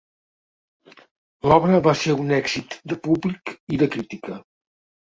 L'obra va ser un èxit de públic i de crítica.